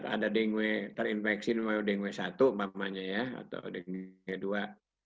ada dengue terinfeksi dengan dengue satu umpamanya ya atau dengue dua